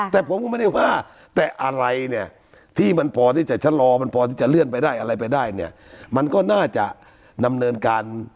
แต่ผมก็ไม่ได้ว่าแต่อะไรเนี่ยที่มันพอจะชะลอพอจะเลื่อนไปได้มันก็น่าจะนำเนินการ